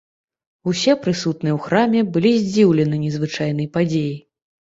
Усе прысутныя ў храме былі здзіўлены незвычайнай падзеяй.